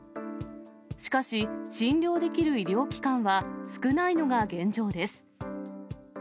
しかし、診療できる医療機関は少ないのが現状です。